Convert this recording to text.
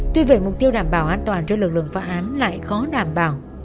tuy vậy mục tiêu đảm bảo an toàn cho lực lượng phá án lại khó đảm bảo